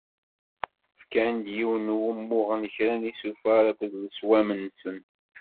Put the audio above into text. Ffkan-d yiwen n wumuɣ n kra n yisufar akked leswam-nsen.